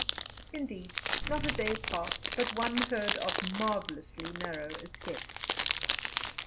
Indeed, not a day passed but one heard of marvellously narrow escapes.